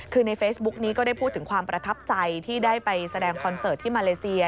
คือในเฟซบุ๊กนี้ก็ได้พูดถึงความประทับใจที่ได้ไปแสดงคอนเสิร์ตที่มาเลเซีย